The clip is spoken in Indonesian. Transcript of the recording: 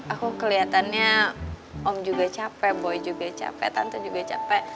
aku kelihatannya om juga capek boy juga capek tante juga capek